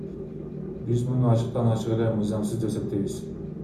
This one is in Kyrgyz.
Биз муну ачыктан ачык эле мыйзамсыз деп эсептейбиз.